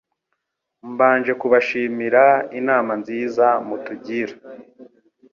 Mbanjekubashimira inama nziza mutugira